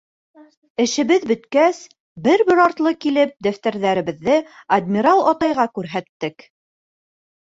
Эшебеҙ бөткәс, бер-бер артлы килеп, дәфтәрҙәребеҙҙе адмирал атайға күрһәттек.